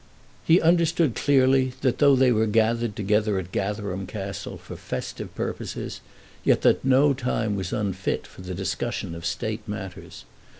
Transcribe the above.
He understood clearly that though they were gathered together then at Gatherum Castle for festive purposes, yet that no time was unfit for the discussion of State matters.